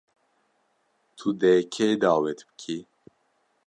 Tu dê kê dawet bikî.